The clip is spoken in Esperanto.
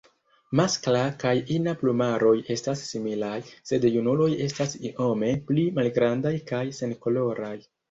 Maskla kaj ina plumaroj estas similaj, sed junuloj estas iome pli malgrandaj kaj senkoloraj.